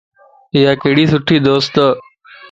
ايا ھڪڙي سٺي دوستَ